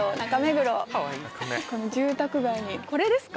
住宅街にこれですか？